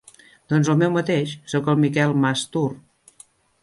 Doncs el meu mateix, soc el Miquel Mas Tur.